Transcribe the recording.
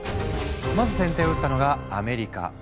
まず先手を打ったのがアメリカ。